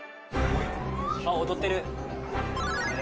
あっ踊ってる。